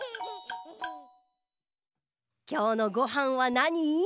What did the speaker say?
きょうのごはんはなに？